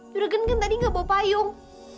juragan kan tadi gak bawa payung